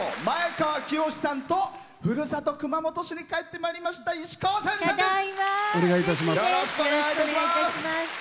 前川清さんとふるさと熊本市に帰ってまいりました石川さゆりさんです。